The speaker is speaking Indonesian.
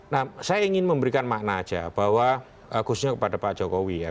nah saya ingin memberikan makna aja bahwa khususnya kepada pak jokowi ya